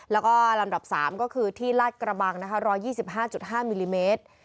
แล้วก็ลำดับ๓ก็คือที่ลาดกระบังนะคะ๑๒๕๕มิลลิเมตร